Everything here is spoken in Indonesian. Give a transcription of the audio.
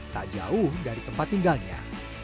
tak jauh dari tempat tinggalnya